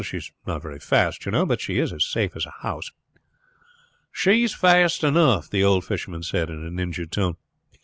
She is not very fast, you know, but she is as safe as a house." "She is fast enough," the old fisherman said in an injured tone.